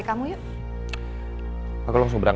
masa pagi pagi udah pergi lagi